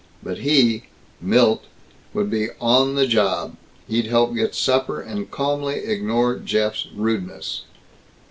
But he, Milt, would be "on the job." He'd help get supper, and calmly ignore Jeff's rudeness.